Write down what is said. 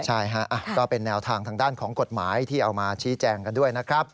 ใช่ฮะก็เป็นแนวทางทางด้านของกฎหมายที่เอามาชี้แจงกันด้วยนะครับ